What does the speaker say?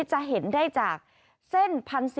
จะเห็นได้จากเส้น๒๐๑๘๒๐๑๖๒๐๒๐